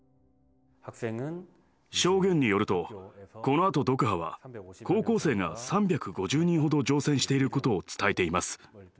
証言によるとこのあとドクハは高校生が３５０人ほど乗船していることを伝えています。